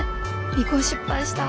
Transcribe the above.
尾行失敗した。